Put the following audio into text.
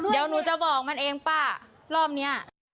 เดี๋ยวหนูจะบอกมันเองป้ารอบนี้